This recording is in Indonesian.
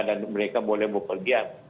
dan mereka boleh berpergian